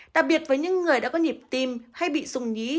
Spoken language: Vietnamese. đặc biệt với những người đã có nhịp tim hay bị dùng nhí